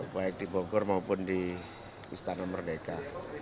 baik di bogor maupun di istana merdeka